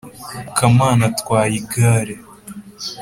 kamana atwaye igare